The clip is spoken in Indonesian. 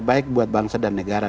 itu yang terbaik buat bangsa dan negara